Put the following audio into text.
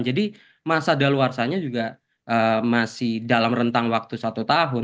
jadi masa dalawarsanya juga masih dalam rentang waktu satu tahun